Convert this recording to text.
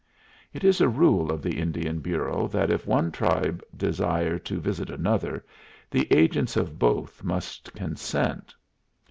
It is a rule of the Indian Bureau that if one tribe desire to visit another, the agents of both must consent.